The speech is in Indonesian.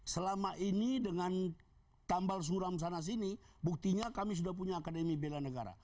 selama ini dengan tambal suram sana sini buktinya kami sudah punya akademi bela negara